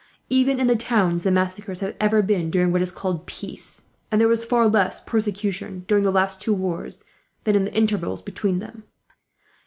Even in the towns the massacres have ever been during what is called peace; and there was far less persecution, during the last two wars, than in the intervals between them."